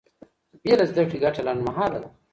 بې له زده کړې ګټه لنډمهاله ده.